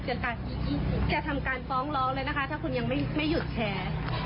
จะทำการฟ้องร้องเลยนะคะถ้าคุณยังไม่หยุดแชร์